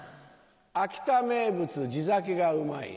秋田名物地酒がうまい